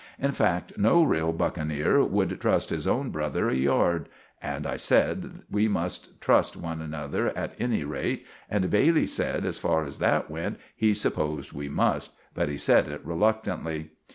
In fact, no reel buckeneer would trust his own brother a yard. And I sed that we must trust one annuther at any rate. And Bailey sed, as far as that went, he supposed we must; but he sed it relluctantly.